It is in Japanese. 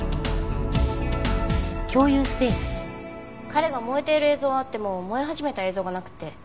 彼が燃えている映像はあっても燃え始めた映像がなくって。